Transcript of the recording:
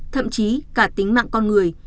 thậm chí cả tính mạng con người